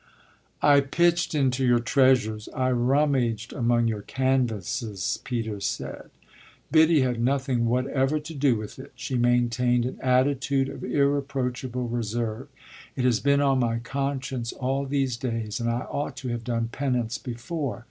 "I pitched into your treasures I rummaged among your canvases," Peter said. "Biddy had nothing whatever to do with it she maintained an attitude of irreproachable reserve. It has been on my conscience all these days and I ought to have done penance before.